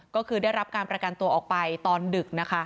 ก็คือได้รับการประกันตัวออกไปตอนดึกนะคะ